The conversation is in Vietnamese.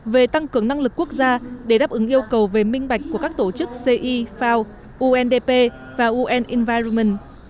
về tăng cường năng lực quốc gia để đáp ứng yêu cầu về minh bạch của các tổ chức ci fao undp và un enviroman